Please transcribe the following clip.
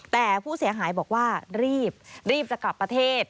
แต่ผู้เสียหายบอกว่ารีบรีบจะกลับประเทศ